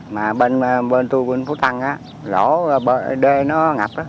mà bên tôi bên phố tăng lỗ đê nó ngập